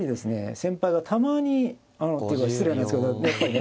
先輩がたまにっていうか失礼なんですけどやっぱりね